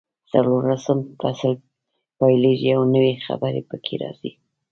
څلورلسم فصل پیلېږي او نوي خبرې پکې راځي.